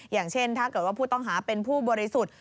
อย่างเช่นถ้าเกิดว่าผู้ต้องหาเป็นผู้บริสุทธิ์